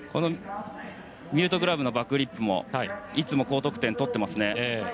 ミュートグラブのバックフリップもいつも高得点を取っていますね。